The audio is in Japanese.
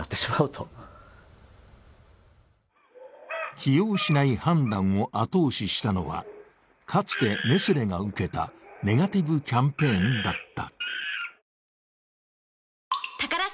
起用しない判断を後押ししたのはかつてネスレが受けたネガティブキャンペーンだった。